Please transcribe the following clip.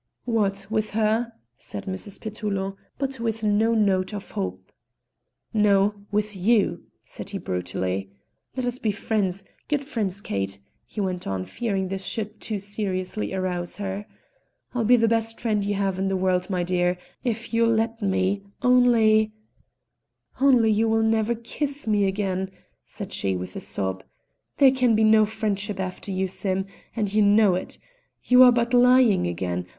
"What, with her?" said Mrs. Petullo, but with no note of hope. "No, with you," said he brutally. "Let us be friends, good friends, Kate," he went on, fearing this should too seriously arouse her. "I'll be the best friend you have in the world, my dear, if you'll let me, only " "Only you will never kiss me again," said she with a sob. "There can be no friendship after you, Sim, and you know it. You are but lying again.